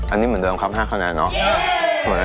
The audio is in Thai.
อันนี้เหมือนเดิมขั้ม๕ขนาด๗๕๐ไม่เยอะ